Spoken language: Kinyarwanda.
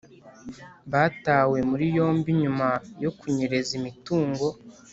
Batawe muri yombi nyuma yo kunyereza imitungo